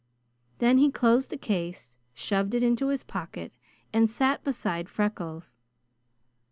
Then he closed the case, shoved it into his pocket, and sat beside Freckles.